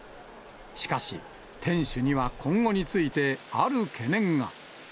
しかし、店主には今後についてある懸念が。